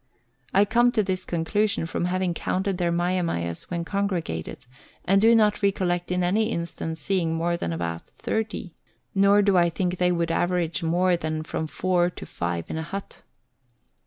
I come to this conclusion from having counted their mia mias when congregated, and do not recollect in any instance seeing more than about 30, nor do I think they would average more than from four to five in a hut.